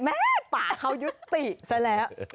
แม่ปากเขายุติซะแล้ว